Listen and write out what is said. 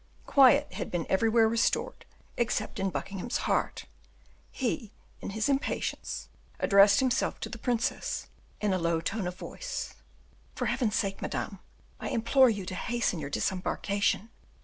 Quiet had been everywhere restored, except in Buckingham's heart; he, in his impatience, addressed himself to the princess, in a low tone of voice: "For Heaven's sake, madame, I implore you to hasten your disembarkation.